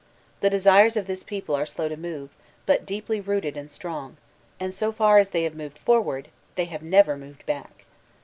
The desires of this people are slow to move, but deeply rooted and strong ; and so far as they have moved forward, they have never moved back.